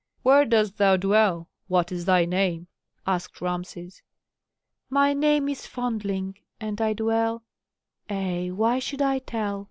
"Where dost thou dwell? What is thy name?" asked Rameses. "My name is Fondling, and I dwell Ei, why should I tell?